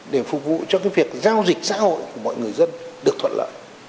để phục vụ cho cái việc giao dịch xã hội của mọi người dân được thuận lợi